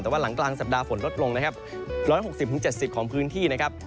แต่ว่าหลังกลางสัปดาห์ฝนลดลงนะครับ๑๖๐๗๐ของพื้นที่นะครับ